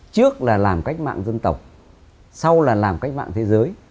trước là làm cách mạng dân tộc sau là làm cách mạng thế giới